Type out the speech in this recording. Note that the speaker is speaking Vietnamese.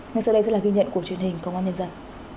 ngay sau đây sẽ là ghi nhận của truyền hình công an nhân dân